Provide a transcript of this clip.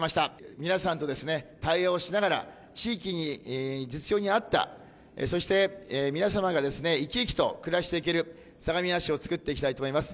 皆さんと対話をしながら地域に、実情に合ったそして皆様が生き生きと暮らしていける相模原市をつくっていきたいと思います。